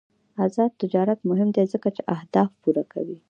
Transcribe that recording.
آزاد تجارت مهم دی ځکه چې اهداف پوره کوي.